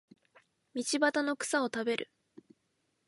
道端の草を食べる